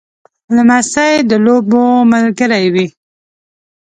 لمسی د لوبو ملګری وي.